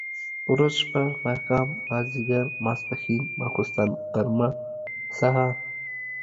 ورځ، شپه ،ماښام، ماځيګر، ماسپښن ، ماخوستن ، غرمه ،سهار،